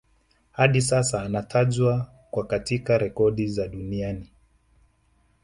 Hadi sasa anatajwa kwa katika rekodi za duniani